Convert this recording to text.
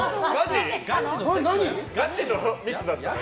ガチのミスでした。